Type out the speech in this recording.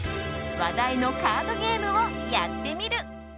話題のカードゲームをやってみる。